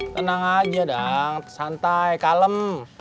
tenang aja dong santai kalem